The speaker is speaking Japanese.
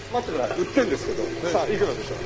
売ってるんですけどさあいくらでしょう？